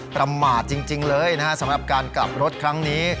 ประมาทจริงเลยนะฮะสำหรับการกลับรถครั้งนี้